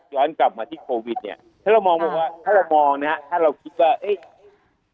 ย้อนกลับมาที่โควิดเนี่ยถ้าเรามองว่าถ้าเรามองนะฮะถ้าเราคิดว่าเอ๊ะ